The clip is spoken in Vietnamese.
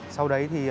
sau đấy thì